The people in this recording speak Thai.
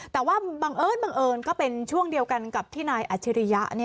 แต่ว่าบังเอิญก็เป็นช่วงเดียวกันกับที่นายอาชิริยะ